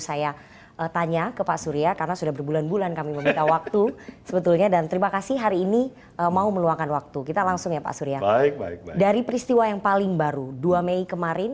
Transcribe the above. dua mei kemarin presiden jokowi mengumpulkan